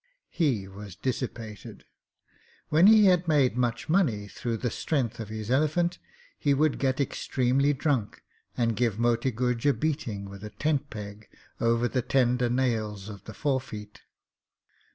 He was dissipated. When he had made much money through the strength of his elephant, he would get extremely drunk and give Moti Guj a beating with a tent peg over the tender nails of the forefeet.